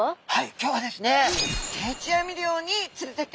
今日はですねあっ